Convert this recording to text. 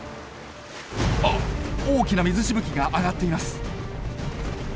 あっ大きな水しぶきが上がっています！